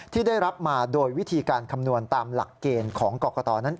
ที่ได้รับมาโดยวิธีการคำนวณตามหลักเกณฑ์ของกรกตนั้น